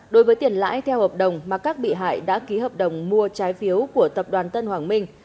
đối với tiền lãi theo hợp đồng mà các bị hại đã ký hợp đồng mua trái phiếu của tập đoàn tân hoàng minh